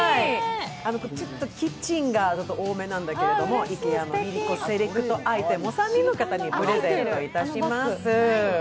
ちょっとキッチンが多めなんだけれども、ＩＫＥＡのＬｉＬｉＣｏセレクトアイテムを３人の方にプレゼントします。